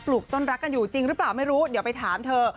ลูกต้นรักกันอยู่จริงหรือเปล่าไม่รู้เดี๋ยวไปถามเธอ